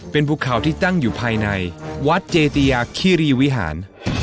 เป็นภูเขาที่ตั้งอยู่ภายในวัดเจติยาคิรีวิหาร